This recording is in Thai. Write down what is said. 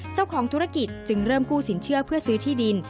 เจ้าของธุรกิจจึงเริ่มกู้สินเชื่อเพื่อซื้อที่ดิน